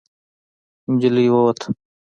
نجلۍ ووته.